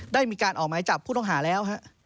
ได้มีการออกหมายจับผู้ต้องหาแล้ว